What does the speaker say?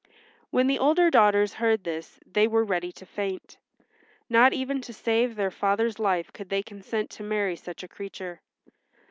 When the older daughters heard this they were ready to faint. Not even to save their father's life could they consent to marry such a creature.